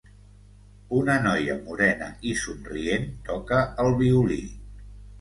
Una noia morena i somrient toca el violí.